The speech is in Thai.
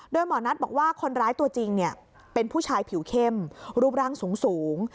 โดยหมอนัทบอกว่าคนร้ายตัวจริงเป็นผู้ชายผิวเข้มรูปร่างสูง